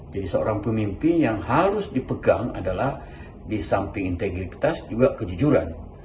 seorang pemimpin yang harus dipegang adalah di samping integritas juga kejujuran